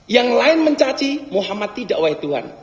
yang lain mencaci muhammad tidak wahai tuhan